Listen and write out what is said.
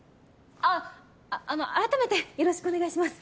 あっあっあの改めてよろしくお願いします。